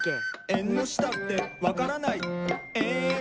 「えんのしたってわからないえん」